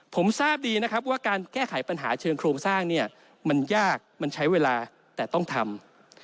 ผมทราบดีนะครับว่าการแก้ไขปัญหาเชิงโครงสร้างเนี่ยมันยากมันใช้เวลาแต่ต้องทำ